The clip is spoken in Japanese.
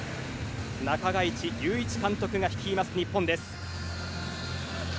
中垣内祐一監督が率います日本です。